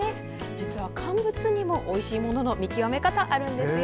実は乾物にもおいしいものの見極め方あるんですよ。